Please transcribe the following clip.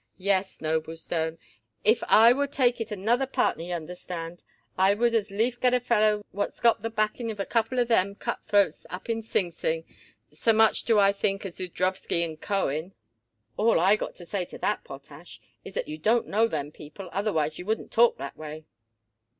Yes, Noblestone, if I would take it another partner, y'understand, I would as lief get a feller what's got the backing of a couple of them cut throats up in Sing Sing, so much do I think of Zudrowsky & Cohen." "All I got to say to that, Potash, is that you don't know them people, otherwise you wouldn't talk that way."